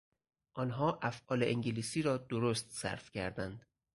آنها افعال انگلیسی را درست صرف کردند.